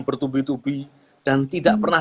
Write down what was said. bertubi tubi dan tidak pernah